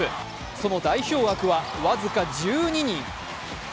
その代表枠は僅か１２人。